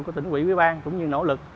của tỉnh quỹ quý bang cũng như nỗ lực